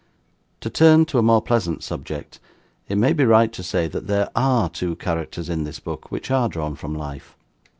"To turn to a more pleasant subject, it may be right to say, that there ARE two characters in this book which are drawn from life.